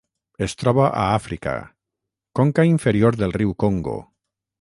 Es troba a Àfrica: conca inferior del riu Congo.